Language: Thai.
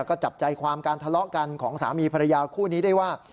ก็จับใจความการทะเลาะกันของสามีภรรยาคู่นี้ได้ว่า